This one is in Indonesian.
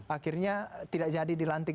akhirnya tidak jadi dilantik